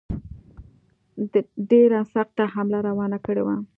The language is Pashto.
ډېره سخته حمله روانه کړې وه.